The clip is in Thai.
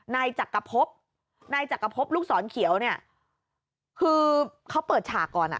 นายจักรพบนายจักรพบลูกศรเขียวเนี่ยคือเขาเปิดฉากก่อนอ่ะ